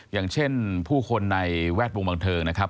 อย่างเช่นผู้คนในแวดวงบันเทิงนะครับ